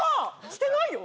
してないよ！